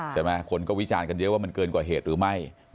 ใช่ไหมคนก็วิจารณ์กันเยอะว่ามันเกินกว่าเหตุหรือไม่